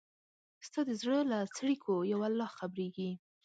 ستا د زړه له څړیکو یو الله خبریږي